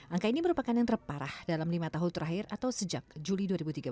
angka ini merupakan yang terparah dalam lima tahun terakhir atau sejak juli dua ribu tiga belas